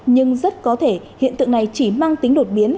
nhưng rất có thể hiện tượng này chỉ mang tính đột biến